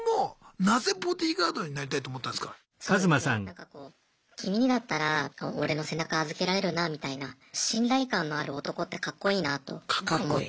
なんかこう君にだったら俺の背中預けられるなみたいな信頼感のある男ってカッコいいなあと思って。